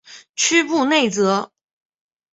屈布内泽。